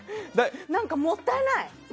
何か、もったいない。